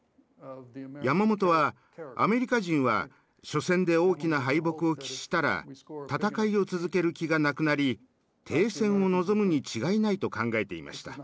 山本はアメリカ人は初戦で大きな敗北を喫したら戦いを続ける気がなくなり停戦を望むに違いないと考えていました。